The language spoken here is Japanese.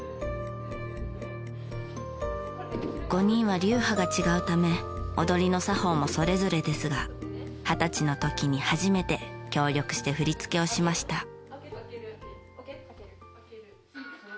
５人は流派が違うため踊りの作法もそれぞれですが二十歳の時に初めて協力して振り付けをしました。